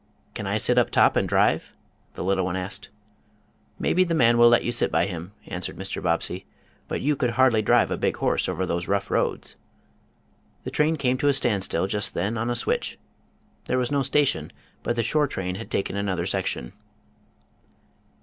"Can I sit up top and drive?" the little one asked. "Maybe the man will let you sit by him," answered Mr. Bobbsey, "but you could hardly drive a big horse over those rough roads." The train came to a standstill, just then, on a switch. There was no station, but the shore train had taken on another section.